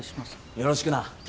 よろしくな。